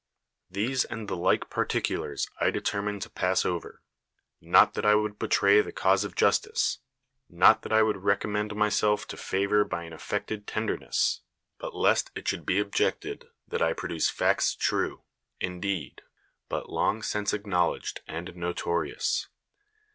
These and the like par ticulars I determine to pass over; not that I would betray the cause of .justice; not that I would recommend my:^elf to favor by an affected tenderness; but lest it should be objected that I produce facts true, indeed, but long since ac knowledged and notorious.